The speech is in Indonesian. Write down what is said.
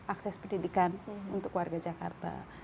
akses pendidikan untuk warga jakarta